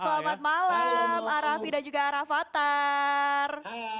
selamat malam arafi dan juga arafathar